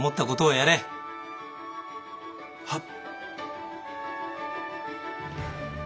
はっ。